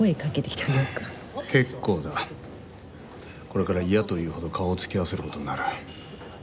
これから嫌というほど顔を突き合わせる事になる。